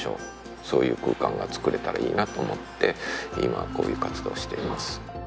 そういう空間がつくれたら良いなと思って今こういう活動をしています